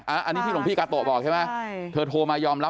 อันนี้ที่หลวงพี่กาโตะบอกใช่ไหมเธอโทรมายอมรับ